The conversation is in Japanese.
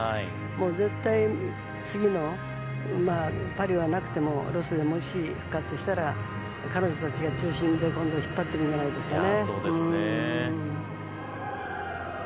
絶対、次のパリはなくてもロスでもいいし復活したら、彼女たちが中心で今度は引っ張っていくんじゃないですかね。